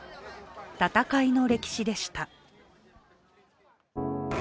戦いの歴史でした。